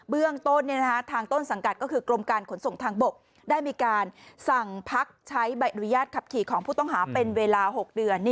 เรื่องต้นทางต้นสังกัดก็คือกรมการขนส่งทางบกได้มีการสั่งพักใช้ใบอนุญาตขับขี่ของผู้ต้องหาเป็นเวลา๖เดือน